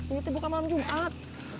ini tuh buka malam jumat